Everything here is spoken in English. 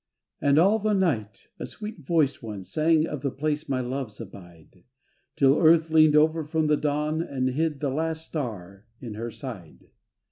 And all the night a sweet voiced one, Sang of the place my loves abide, 'Til Earth leaned over from the dawn And hid the last star in her side.